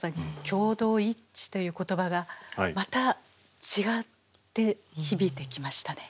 「共同一致」という言葉がまた違って響いてきましたね。